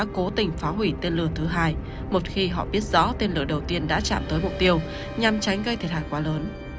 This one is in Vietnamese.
và rằng không quân israel đã cố tình phá hủy tên lửa thứ hai một khi họ biết rõ tên lửa đầu tiên đã chạm tới mục tiêu nhằm tránh gây thiệt hại quá lớn